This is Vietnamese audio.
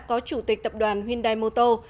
có chủ tịch tập đoàn hyundai motor